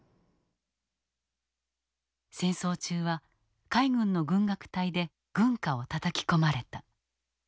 戦争中は海軍の軍楽隊で軍歌をたたき込まれた。